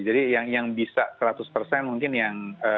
jadi yang bisa seratus mungkin yang